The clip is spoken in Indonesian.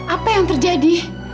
apa yang terjadi